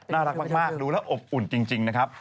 น่ารักมากดูแล้วอบอุ่นจริงนะครับ